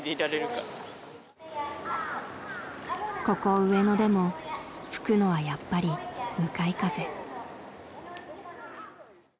［ここ上野でも吹くのはやっぱり向かい風］